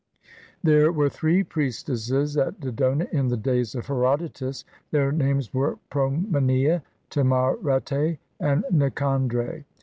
There were three priestesses at Dodona in the days of Herodotus. Their names were Promenea, Timarete, and Nicandre.